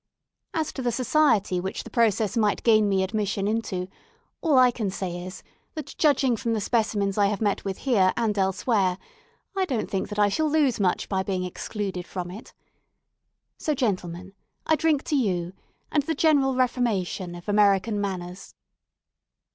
As to the society which the process might gain me admission into, all I can say is, that, judging from the specimens I have met with here and elsewhere, I don't think that I shall lose much by being excluded from it. So, gentlemen, I drink to you and the general reformation of American manners."